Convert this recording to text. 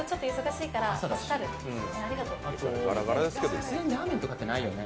さすがにラーメンとかって無いよね？